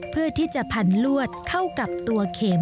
เพื่อที่จะพันลวดเข้ากับตัวเข็ม